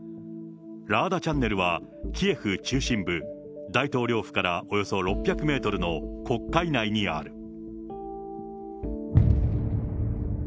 ラーダチャンネルは、キエフ中心部、大統領府からおよそ６００メートルの国会内にある。